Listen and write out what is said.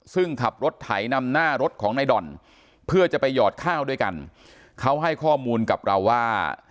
ซึ่งขับรถไถนำหน้ารถของในด่อนเพื่อจะไปหอดข้าวด้วยกันเขาให้ข้อมูลกับเราว่า